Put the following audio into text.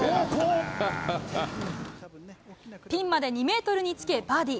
ピンまで２ｍにつけバーディー。